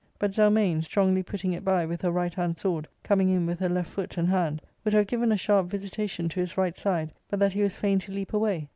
But Zelmane, strongly putting it by with her right hand sword, coming in with her left foot and hand, wouldhave given a sharp visitationf to his right side, but that he was fain to leap away.